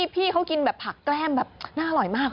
พี่เขากินแบบผักแกล้มแบบน่าอร่อยมาก